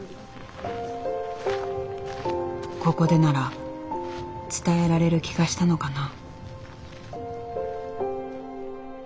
ここでなら伝えられる気がしたのかな。